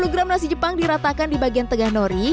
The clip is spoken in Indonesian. sepuluh gram nasi jepang diratakan di bagian tengah nori